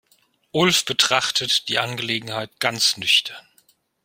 Ulf betrachtet die Angelegenheit ganz nüchtern.